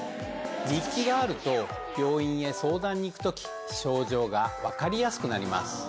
日記があると、病院へ相談に行くとき、症状が分かりやすくなります。